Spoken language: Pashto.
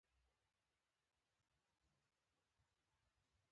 د تذکرو مرکز اصلاحاتو ته اړتیا لري.